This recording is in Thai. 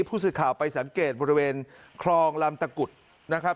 ผู้สื่อข่าวไปสังเกตบริเวณคลองลำตะกุดนะครับ